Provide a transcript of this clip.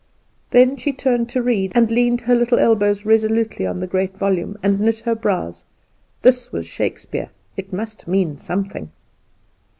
Then she turned to read, and leaned her little elbows resolutely on the great volume, and knit her brows. This was Shakespeare it must mean something.